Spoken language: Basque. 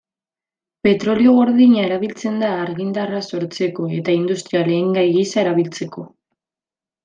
Petrolio gordina erabiltzen da argindarra sortzeko eta industria-lehengai gisa erabiltzeko.